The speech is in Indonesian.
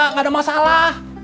nggak ada masalah